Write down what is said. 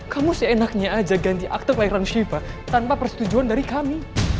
kamu seenaknya aja ganti akte kelahiran shiva tanpa persetujuan dari kami